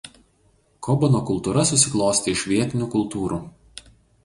Kobano kultūra susiklostė iš vietinių kultūrų.